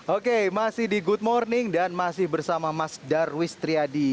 oke masih di good morning dan masih bersama mas darwis triadi